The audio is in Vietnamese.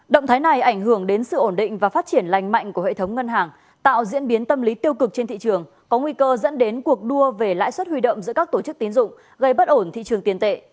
động thái này ảnh hưởng đến sự ổn định và phát triển lành mạnh của hệ thống ngân hàng tạo diễn biến tâm lý tiêu cực trên thị trường có nguy cơ dẫn đến cuộc đua về lãi suất huy động giữa các tổ chức tiến dụng gây bất ổn thị trường tiền tệ